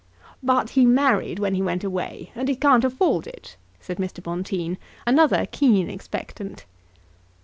"But he married when he went away, and he can't afford it," said Mr. Bonteen, another keen expectant.